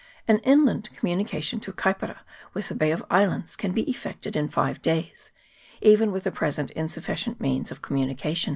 An inland communication through Kaipara with the Bay of Islands can be effected in five days r even with the present insufficient means of communica tion.